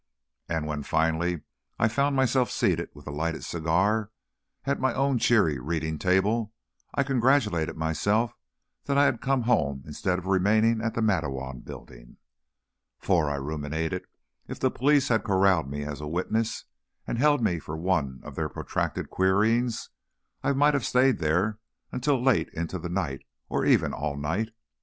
And when, finally, I found myself seated, with a lighted cigar, at my own cheery reading table, I congratulated myself that I had come home instead of remaining at the Matteawan Building. For, I ruminated, if the police had corralled me as witness, and held me for one of their protracted queryings, I might have stayed there until late into the night or even all night.